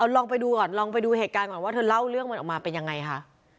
ลองไปดูก่อนลองไปดูเหตุการณ์ก่อนว่าเธอเล่าเรื่องมันออกมาเป็นยังไงคะ